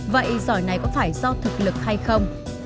vậy giỏi này có phải do thực lực hay không